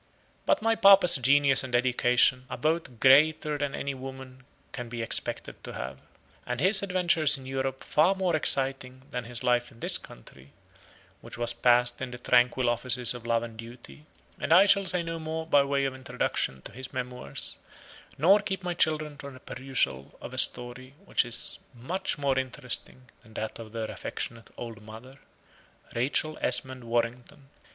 But my papa's genius and education are both greater than any a woman can be expected to have, and his adventures in Europe far more exciting than his life in this country, which was passed in the tranquil offices of love and duty; and I shall say no more by way of introduction to his Memoirs, nor keep my children from the perusal of a story which is much more interesting than that of their affectionate old mother, RACHEL ESMOND WARRINGTON.